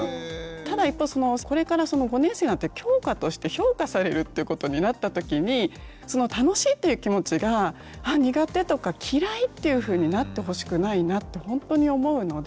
ただ一方これから５年生になって教科として評価されるっていうことになった時に「楽しい」っていう気持ちが「苦手」とか「嫌い」っていうふうになってほしくないなってほんとに思うので。